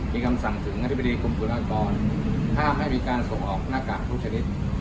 มีคำสั่งถึงอธิบดีกรมสุรากรห้ามให้มีการส่งออกหน้ากากทุกชนิด